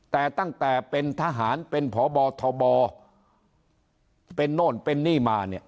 แต่ตั้งแต่เป็นทหารเป็นพบทบเป็นนี่มา